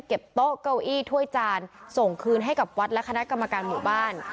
โต๊ะเก้าอี้ถ้วยจานส่งคืนให้กับวัดและคณะกรรมการหมู่บ้าน